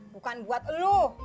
bukan buat elu